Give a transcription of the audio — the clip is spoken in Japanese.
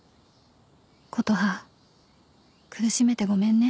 「琴葉苦しめてごめんね。